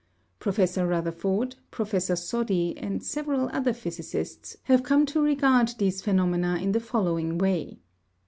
Professor Rutherford, Professor Soddy, and several other physicists, have come to regard these phenomena in the following way.